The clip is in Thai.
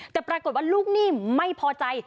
แต่ปรากฏว่าลูกหนี้ไม่พอใจ